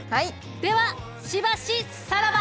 ではしばしさらば。